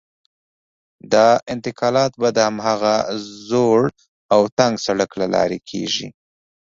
دا انتقالات به د هماغه زوړ او تنګ سړک له لارې کېږي.